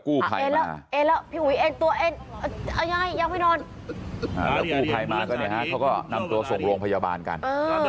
ก็พี่ผายมาก็เนี้ยฮะเขาก็นำตัวส่งโรงพยาบาลกัน